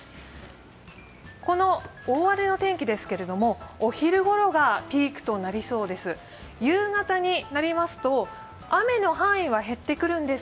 この大荒れの天気ですけれども、お昼頃がピークとなりそうです。